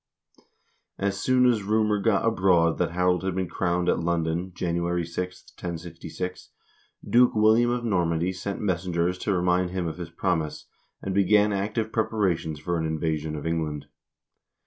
As soon as rumor got abroad that Harold had been crowned at London, January 6, 1066, Duke William of Normandy sent messen gers to remind him of his promise, and began active preparations for an invasion of England.